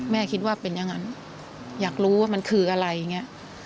คิดว่าเป็นอย่างนั้นอยากรู้ว่ามันคืออะไรอย่างนี้